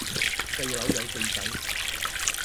四樓有四仔